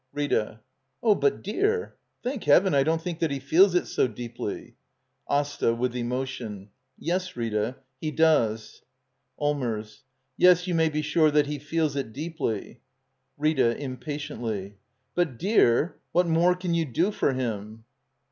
Rita. Oh, but, dear — thank Heaven, I don't think that he feels it so deeply. AsTA. [With emotion.] Yes, Rita, he does. Allmers. Yes, you may be sure that he feels it deeply. Rita. [Impatiently.] But, dear — what more can you do for him?